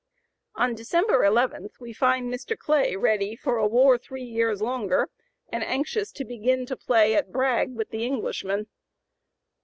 On December 11 we find Mr. Clay ready "for a war three years longer," and anxious "to begin to play at brag" with the Englishmen.